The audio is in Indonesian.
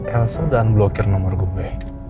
elsa udah ngeblokir nomor gue